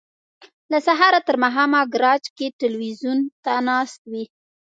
له سهاره تر ماښامه ګراج کې ټلویزیون ته ناست وي.